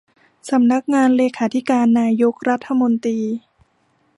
สำนักงานเลขาธิการนายกรัฐมนตรี